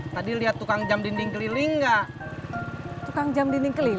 terima kasih ya pak haji